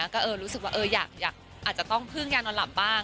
ก็รู้สึกว่าอาจจะต้องพึ่งยานอนหลับบ้าง